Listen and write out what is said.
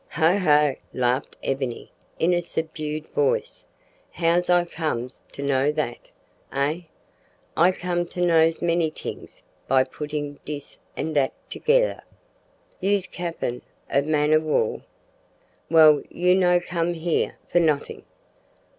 "Ho! ho!" laughed Ebony in a subdued voice, "how I comes to know dat, eh? I come to knows many t'ings by putting dis an' dat togider. You's cappen ob man ob war. Well, you no comes here for notting.